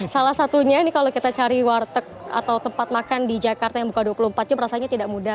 salah satunya ini kalau kita cari warteg atau tempat makan di jakarta yang buka dua puluh empat jam rasanya tidak mudah